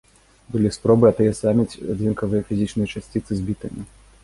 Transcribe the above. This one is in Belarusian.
Былі спробы атаясаміць адзінкавыя фізічныя часціцы з бітамі.